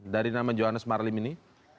dari nama johannes marlim ini